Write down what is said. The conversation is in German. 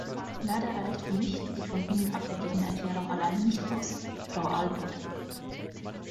Leider reicht für mich die von Ihnen abgegebene Erklärung alleine nicht aus, Frau Aelvoet.